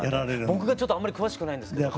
僕がちょっとあんまり詳しくないんですけど。